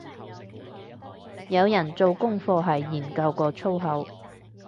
有人做功課係研究過粗口